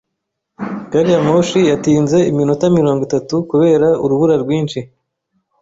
Gariyamoshi yatinze iminota mirongo itatu kubera urubura rwinshi.